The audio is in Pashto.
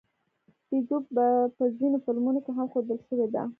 بیزو په ځینو فلمونو کې هم ښودل شوې ده.